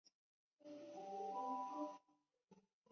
卵叶獐牙菜为龙胆科獐牙菜属下的一个种。